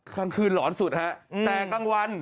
กลางคืนหลอนสุดฮะแต่กลางวัน